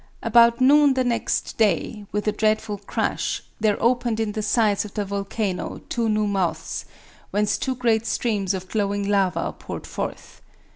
About noon the next day, with a dreadful crash, there opened in the sides of the volcano two new mouths, whence two great streams of glowing lava poured forth.